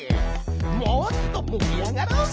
もっともりあがろうぜ！